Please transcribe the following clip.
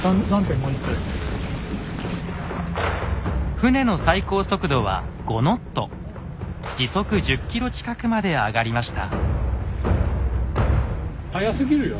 船の最高速度は５ノット時速１０ｋｍ近くまで上がりました。